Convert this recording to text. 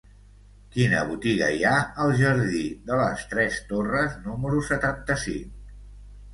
Quina botiga hi ha al jardí de les Tres Torres número setanta-cinc?